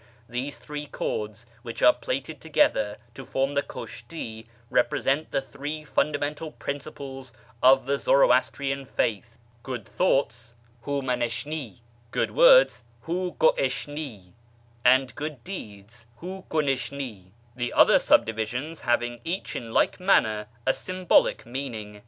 These three cords, which are plaited together to form he kushti, represent the three fundamental principles of he Zoroastrian faith, good thoughts {hu 7nanisJmi), good /'ords (Jiu gdishni), and good deeds {hii kunishni), the other Libdivisions having each in like manner a symbolical meaning.